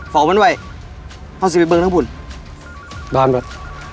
ฝอบ้านไหวเอาสิริเบิร์นทั้งหมุนบอร์นเบิร์ด